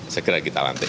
segera kita lantik